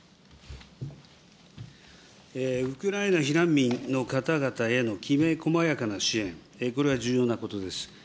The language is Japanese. ウクライナ避難民の方々へのきめ細やかな支援、これは重要なことです。